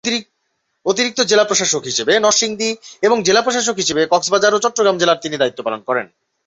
অতিরিক্ত জেলা প্রশাসক হিসেবে নরসিংদী এবং জেলা প্রশাসক হিসেবে কক্সবাজার ও চট্টগ্রাম জেলার তিনি দায়িত্ব পালন করেন।